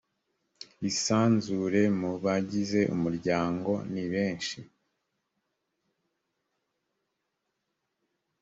isanzure mu bagize umuryango ni benshi